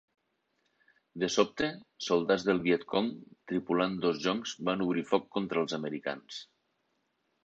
De sobte, soldats del Viet Cong tripulant dos joncs van obrir foc contra els americans.